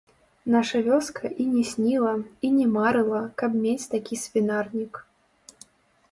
Наша вёска і не сніла, і не марыла, каб мець такі свінарнік.